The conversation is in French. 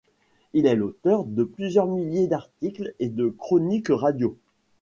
Il est l'auteur de plusieurs milliers d'articles et de chroniques radio.